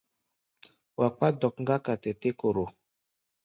Wa kpá dɔ̌k-ŋgaka tɛ té-koro.